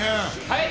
はい！